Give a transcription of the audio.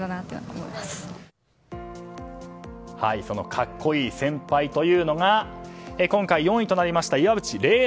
その格好いい先輩というのが今回４位となりました岩渕麗